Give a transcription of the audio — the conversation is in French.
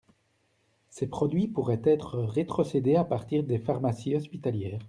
Ces produits pourraient être rétrocédés à partir des pharmacies hospitalières.